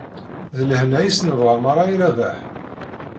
D lehna i s-nebɣa merra i Rabaḥ.